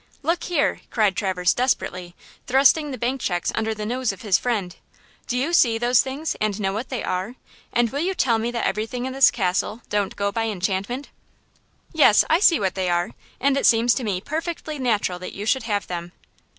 Look here!" cried Traverse, desperately, thrusting the bank checks under the nose of his friend, "do you see those things and know what they are, and will you tell me that everything in this castle don't go by enchantment?" "Yes. I see what they are, and it seems to me perfectly natural that you should have them!"